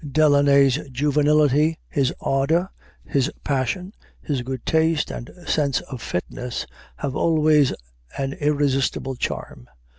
Delaunay's juvenility, his ardor, his passion, his good taste and sense of fitness, have always an irresistible charm.